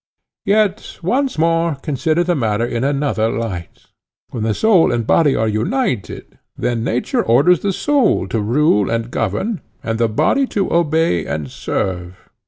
Yet once more consider the matter in another light: When the soul and the body are united, then nature orders the soul to rule and govern, and the body to obey and serve.